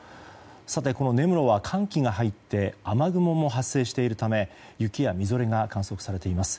この根室は寒気が入って雨雲が発生しているため雪やみぞれが観測されています。